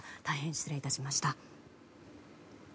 大変失礼致しました。